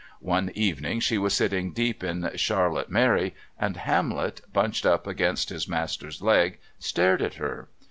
One evening she was sitting deep in "Charlotte Mary," and Hamlet, bunched up against his master's leg, stared at her.